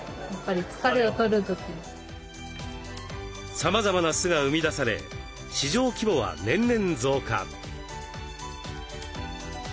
さまざまな酢が生み出され市場規模は年々増加。